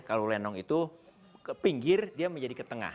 kalau lenong itu ke pinggir dia menjadi ke tengah